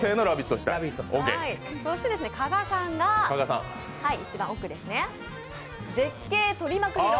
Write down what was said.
そして加賀さんが一番奥ですね。